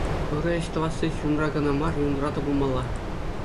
Ырӑ ӗҫ тӑвасси чунра кӑна мар, юнра та пулмалла.